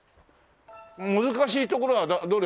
難しいところはどれですか？